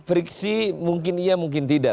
friksi mungkin iya mungkin tidak